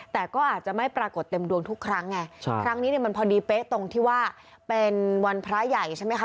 แต่ก็อาจจะไม่ปรากฏเต็มดวงทุกครั้งไงใช่ครั้งนี้เนี่ยมันพอดีเป๊ะตรงที่ว่าเป็นวันพระใหญ่ใช่ไหมคะ